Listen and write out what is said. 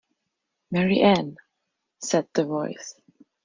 Mary Ann!’ said the voice.